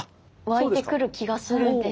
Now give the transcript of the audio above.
湧いてくる気がするんですけど。